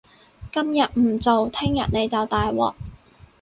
今日唔做，聽日你就大鑊